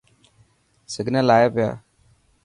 سگنل آئي پيا.